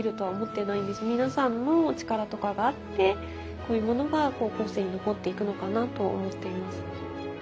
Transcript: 皆さんの力とかがあってこういうものが後世に残っていくのかなと思っています。